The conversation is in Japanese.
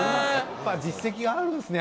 実績あるんですね